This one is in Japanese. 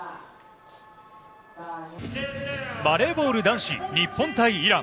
バレーボール男子、日本対イラン。